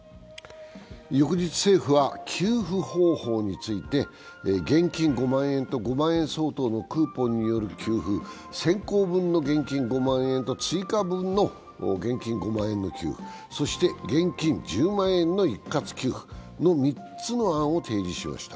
翌日、政府は給付方法について現金５万円と５万円相当のクーポンによる給付先行分の現金５万円と追加分の現金５万円の給付、そして現金１０万円の一括給付の３つの案を提示しました。